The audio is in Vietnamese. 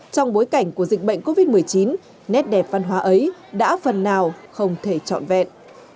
trong bối cảnh của dịch bệnh covid một mươi chín nét đẹp văn hóa ấy đã phần nào không thể trọn vẹn